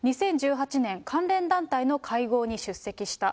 ２０１８年、関連団体の会合に出席した。